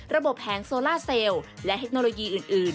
แผงโซล่าเซลล์และเทคโนโลยีอื่น